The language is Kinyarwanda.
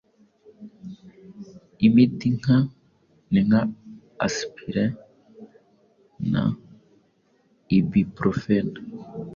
imiti nka ni nka aspirin na ibuprofen